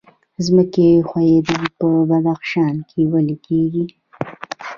ځمکې ښویدنه په بدخشان کې ولې کیږي؟